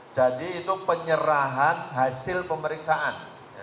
jadi itu penyerahan hasil pemeriksaan